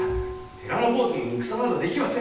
寺の坊主に戦などできはせぬ。